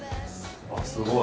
あっすごい。